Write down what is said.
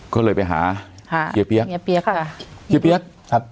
ก็เลยไปหาเจียเปี๊ยะ